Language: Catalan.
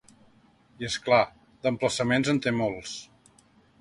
I, és clar, d’emplaçaments en té molts.